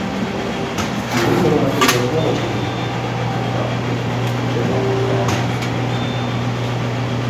Numurētajos laukumiņos. Bez aplinkiem jeb atklāti.